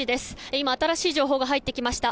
今、新しい情報が入ってきました。